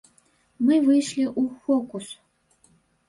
Мы выйшлі ў фокус.